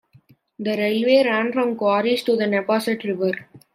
The railway ran from quarries to the Neponset River.